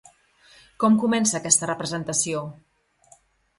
Com comença aquesta representació?